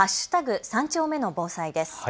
３丁目の防災です。